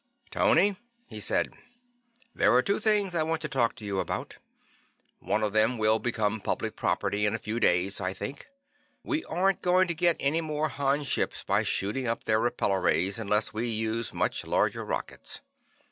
"Tony," he said, "There are two things I want to talk to you about. One of them will become public property in a few days, I think. We aren't going to get any more Han ships by shooting up their repellor rays unless we use much larger rockets.